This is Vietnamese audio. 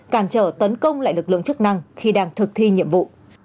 cản trở tấn công lại lực lượng chức năng khi đang thực thi nhiệm vụ